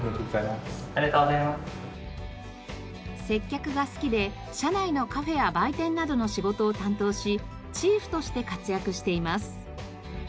接客が好きで社内のカフェや売店などの仕事を担当しチーフとして活躍しています。